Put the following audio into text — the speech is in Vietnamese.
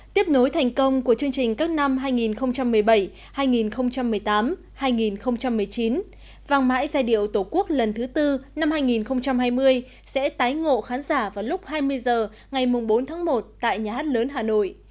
tiếp nối thành công của chương trình các năm hai nghìn một mươi bảy hai nghìn một mươi tám hai nghìn một mươi chín vàng mãi giai điệu tổ quốc lần thứ tư năm hai nghìn hai mươi sẽ tái ngộ khán giả vào lúc hai mươi h ngày bốn tháng một tại nhà hát lớn hà nội